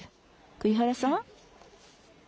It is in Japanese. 栗原さん。